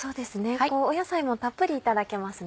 野菜もたっぷりいただけますね。